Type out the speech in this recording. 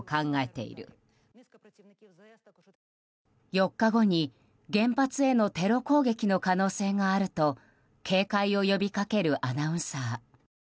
４日後に原発へのテロ攻撃の可能性があると警戒を呼びかけるアナウンサー。